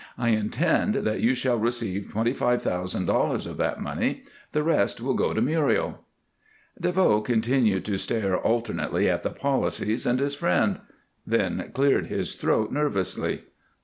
"I intend that you shall receive twenty five thousand dollars of that money; the rest will go to Muriel." DeVoe continued to stare alternately at the policies and his friend; then cleared his throat nervously.